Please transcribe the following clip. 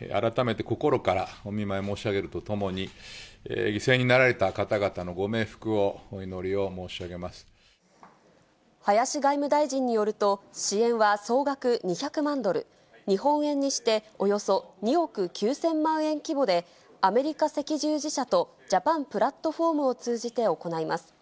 改めて心からお見舞いを申し上げるとともに、犠牲になられた方々のご冥福をお祈りを申し上げ林外務大臣によると、支援は総額２００万ドル、日本円にしておよそ２億９０００万円規模で、アメリカ赤十字社とジャパンプラットフォームを通じて行います。